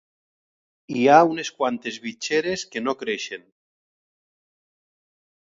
Hi ha unes quantes bitxeres que no creixen